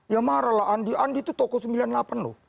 ya marah lah andi andi itu toko sembilan puluh delapan loh